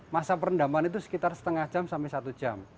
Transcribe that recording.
masa perendaman itu sekitar setengah jam sampai satu jam